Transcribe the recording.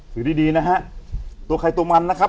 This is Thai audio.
ถือดีดีนะฮะตัวใครตัวมันนะครับ